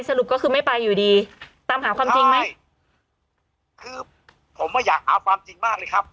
สรุปก็คือไม่ไปอยู่ดีตามหาความจริงไหมคือผมว่าอยากหาความจริงมากเลยครับ